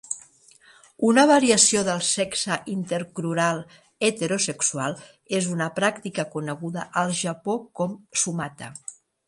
Una variació del sexe intercrural heterosexual és una pràctica coneguda al Japó com sumata.